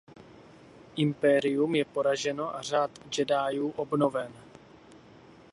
Impérium je poraženo a řád jediů obnoven.